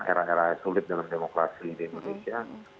era era sulit dalam demokrasi di indonesia